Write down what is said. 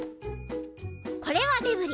これはデブリ。